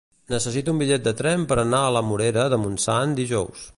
Necessito un bitllet de tren per anar a la Morera de Montsant dijous.